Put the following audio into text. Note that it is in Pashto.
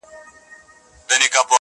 • نذرانه سترګي در لېږمه بینا نه راځمه,